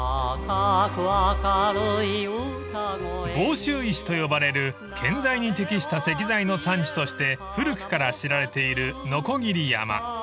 ［房州石と呼ばれる建材に適した石材の産地として古くから知られている鋸山］